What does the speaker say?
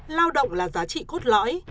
lao động là giá trị cốt lõi